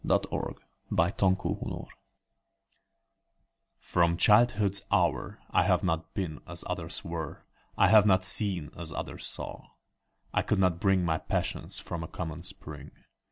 Edgar Allan Poe Alone FROM childhood's hour I have not been As others were; I have not seen As others saw; I could not bring My passions from a common spring.